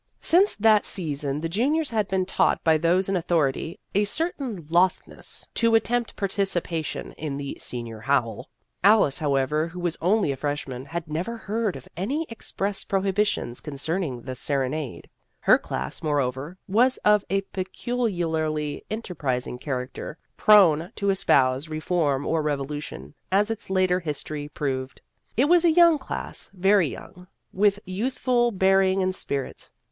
Since that sea son the juniors had been taught by those in authority a certain lothness to attempt participation in the " Senior Howl." Alice, however, who was only a fresh man, had never heard of any express pro hibitions concerning the serenade. Her class, moreover, was of a peculiarly enter prising character prone to espouse re form or revolution, as its later history proved. It was a young class very young with youthful bearing and spirit.